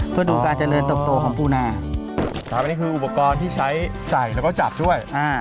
เพื่อดูการเจริญตกของปูนาตามนี่คืออุปกรณ์ที่ใช้ใส่แล้วก็จับด้วย